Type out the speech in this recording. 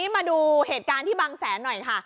มาดูเหตุการณ์ที่บางแสนหน่อยค่ะ